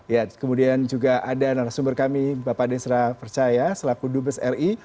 ya kemudian juga ada narasumber kami bapak desra percaya selaku dubes ri